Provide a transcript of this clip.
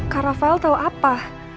karavel tau apa